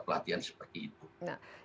pelatihan seperti itu